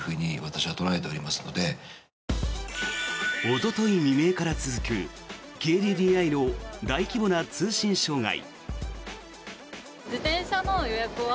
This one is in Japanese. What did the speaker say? おととい未明から続くＫＤＤＩの大規模な通信障害。